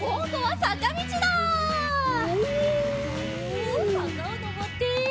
おさかをのぼって。